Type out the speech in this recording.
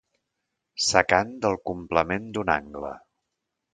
Secant del complement d'un angle.